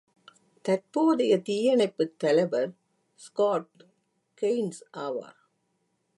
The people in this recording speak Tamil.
தற்போதைய தீயணைப்புத் தலைவர் ஸ்காட் கெய்ர்ன்ஸ் ஆவார்.